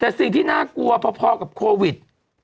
แต่สิ่งที่น่ากลัวพอกับโควิด